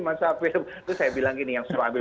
bang safir terus saya bilang gini yang selalu ambil